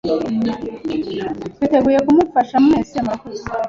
twiteguye kubafasha mwese. Murakoze